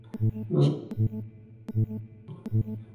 nosotras no habremos bebido